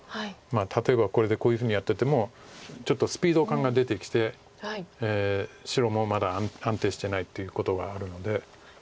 例えばこれでこういうふうにやっててもちょっとスピード感が出てきて白もまだ安定してないっていうことがあるので。